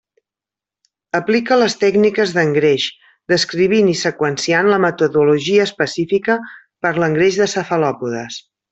Aplica les tècniques d'engreix, descrivint i seqüenciant la metodologia específica per l'engreix de cefalòpodes.